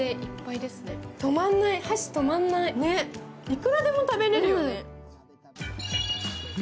いくらでも食べられるよね。